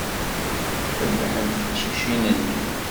Rebḥent teqcicin-nni.